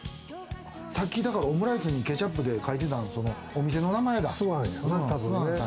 さっきオムライスにケチャップで書いてたのはお店の名前だ。